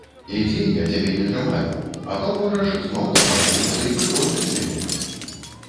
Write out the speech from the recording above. Ідзі, я цябе не трымаю, а то можаш зноў замахнуцца і прыкончыць мяне.